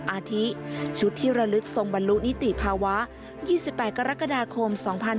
อาทิชุดที่ระลึกทรงบรรลุนิติภาวะ๒๘กรกฎาคม๒๕๖๒